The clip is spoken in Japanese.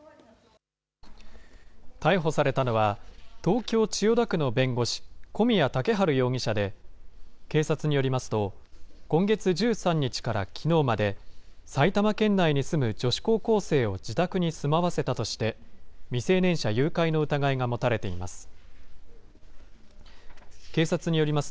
逮捕されたのは、東京・千代田区の弁護士、古宮岳晴容疑者で、警察によりますと、今月１３日からきのうまで、埼玉県内に住む女子高校生を自宅に住まわせたとして、未成年者誘拐の疑いが持たれています。